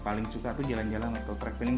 paling suka tuh jalan jalan atau traveling